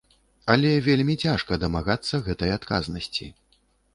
Але вельмі цяжка дамагацца гэтай адказнасці.